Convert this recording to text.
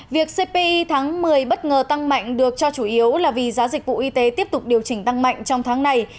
việc cpi tháng một mươi bất ngờ tăng mạnh được cho chủ yếu là vì giá dịch vụ y tế tiếp tục điều chỉnh tăng mạnh trong tháng này